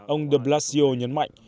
ông blasio nhấn mạnh